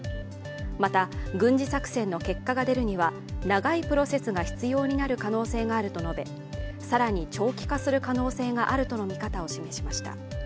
また、軍事作戦の結果が出るには長いプロセスが必要になる可能性があると述べ更に長期化する可能性があるとの見方を示しました。